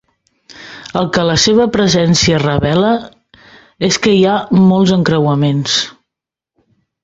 El que la seva presidència revela és que hi ha molts encreuaments.